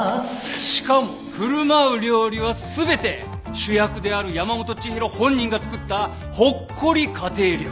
しかも振る舞う料理は全て主役である山本知博本人が作ったほっこり家庭料理。